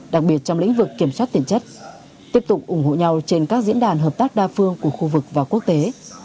đặc biệt trong lĩnh vực kiểm soát tiền chất tiếp tục ủng hộ nhau trên các diễn đàn hợp tác đa phương của khu vực và quốc tế